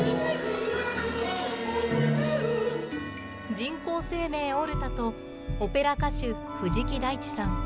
人工生命、オルタとオペラ歌手、藤木大地さん。